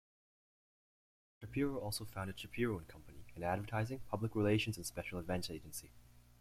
Shapiro also founded "Shapiro and Company", an advertising, public relations and special events agency.